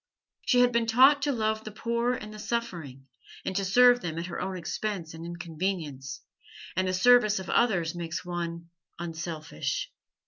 She had been taught to love the poor and the suffering, and to serve them at her own expense and inconvenience, and the service of others makes one unselfish.